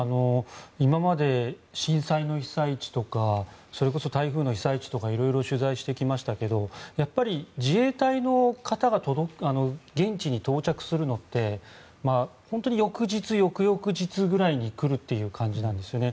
今まで震災の被災地とかそれこそ台風の被災地とかいろいろ取材してきましたがやっぱり自衛隊の方が現地に到着するのって翌日、翌々日ぐらいに来るという感じなんですよね。